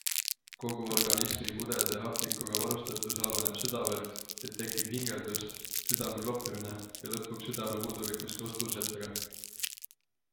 Kogu organismi kudede hapnikuga varustatus halveneb sedavõrd, et tekib hingeldus, südamekloppimine ja lõpuks südamepuudulikkus koos tursetega.